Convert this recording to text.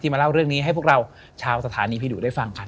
มาเล่าเรื่องนี้ให้พวกเราชาวสถานีผีดุได้ฟังกัน